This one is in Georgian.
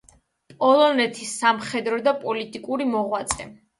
პოლონეთის სამხედრო და პოლიტიკური მოღვაწე.